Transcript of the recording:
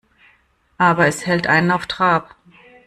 Aber es hält einen auf Trab.